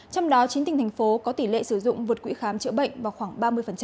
trong đó chín tỉnh thành phố có tỷ lệ sử dụng vượt quỹ khám chữa bệnh vào khoảng ba mươi